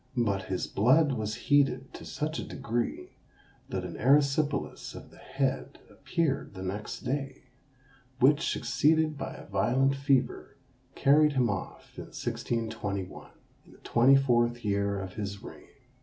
But his blood was heated to such a degree, that an erysipelas of the head appeared the next day, which, succeeded by a violent fever, carried him off in 1621, in the twenty fourth year of his reign.